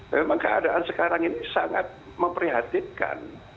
memang keadaan sekarang ini sangat memprihatinkan